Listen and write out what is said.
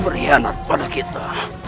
berkhianat pada kita